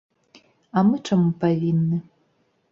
А мы чаму павінны?